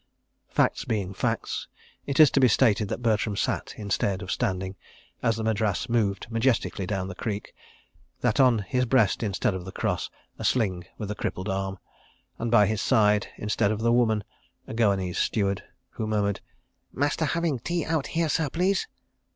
Facts being facts, it is to be stated that Bertram sat instead of standing, as the Madras moved majestically down the Creek; that on his breast, instead of the Cross, a sling with a crippled arm; and by his side, instead of the Woman, a Goanese steward, who murmured: "Master having tea out here, sir, please?"